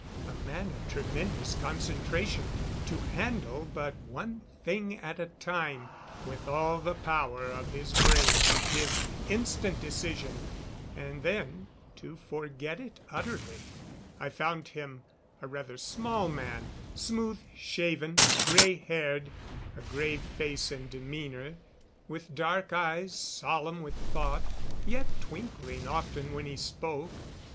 A man of tremendous concentration, to handle but one thing at a time; with all the power of his brain to give instant decision, and then to forget it utterly. I found him a rather small man; smooth shaven; grey haired; a grave face and demeanor, with dark eyes solemn with thought, yet twinkling often when he spoke.